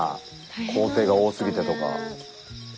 工程が多すぎてとか。